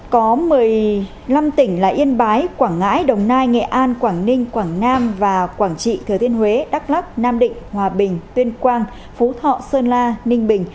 có một mươi năm tỉnh là yên bái quảng ngãi đồng nai nghệ an quảng ninh quảng nam và quảng trị thừa thiên huế đắk lắc nam định hòa bình tuyên quang phú thọ sơn la ninh bình